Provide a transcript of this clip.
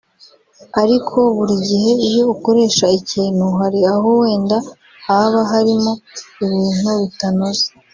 ariko buri gihe iyo ukoresha ikintu hari aho wenda haba harimo ibintu bitanoze